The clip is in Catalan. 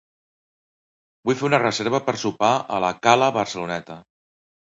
Vull fer una reserva per sopar a la Cala Barceloneta.